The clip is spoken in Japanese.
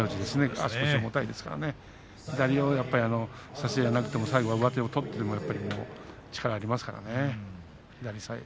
足腰、重たいですから左を差せなくても最後、上手を取ってでも力がありますからね